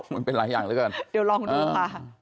มันเป็นหลายอย่างเหลือเกินเดี๋ยวลองดูค่ะ